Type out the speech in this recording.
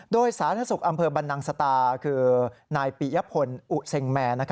โดยสาธารณสุขอำเภอบรรนังสตาคือนายปียพลอุเซ็งแมร์